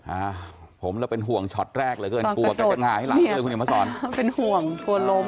อาผมแล้วเป็นห่วงช็อตแรกเลยตอนกระโดดเป็นห่วงกลัวล้ม